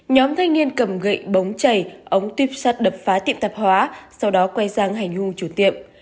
nhóm thanh niên cầm gậy bóng chảy ống tuyếp sắt đập phá tiệm tạp hóa sau đó quay sang hành hung chủ tiệm